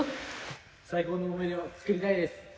最高の思い出を作りたいです！